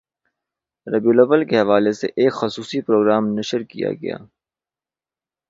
ربیع الاوّل کے حوالے سے ایک خصوصی پروگرام نشر کی گیا